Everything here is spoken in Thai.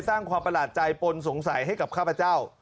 สร้างความประหลาดใจปนสงสัยให้กับข้าพเจ้า